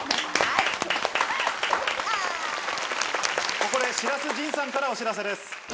ここで白洲迅さんからお知らせです。